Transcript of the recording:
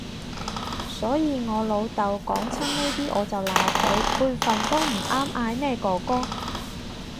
所以我老豆講親呢啲我就鬧佢，輩份都唔啱嗌咩哥哥